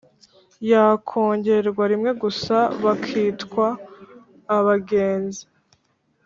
yakongerwa rimwe gusa bakitwa Abagenza